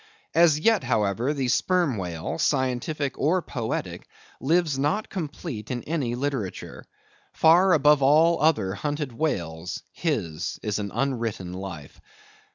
As yet, however, the sperm whale, scientific or poetic, lives not complete in any literature. Far above all other hunted whales, his is an unwritten life.